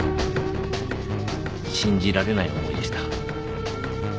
信じられない思いでした。